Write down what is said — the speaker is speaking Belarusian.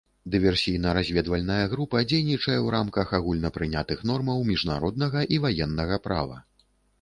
Дыверсійна-разведвальная група дзейнічае ў рамках агульнапрынятых нормаў міжнароднага і ваеннага права.